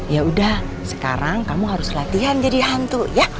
ya udah sekarang kamu harus latihan jadi hantu ya